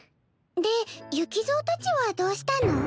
でゆきぞーたちはどうしたの？